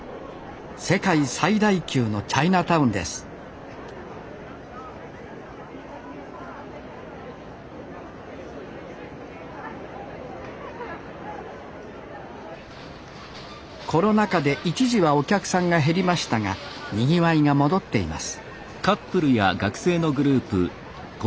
世界最大級のチャイナタウンですコロナ禍で一時はお客さんが減りましたがにぎわいが戻っています